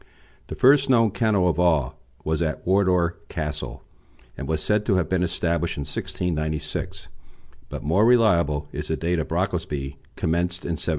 The first known kennel of all was at Wardour Castle, and was said to have been established in 1696; but more reliable is the date of the Brocklesby, commenced in 1713.